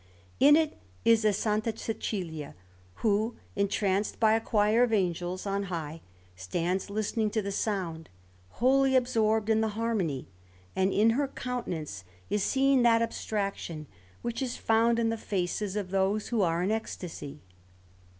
In it is a S. Cecilia, who, entranced by a choir of angels on high, stands listening to the sound, wholly absorbed in the harmony; and in her countenance is seen that abstraction which is found in the faces of those who are in ecstasy.